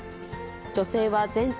女性は全治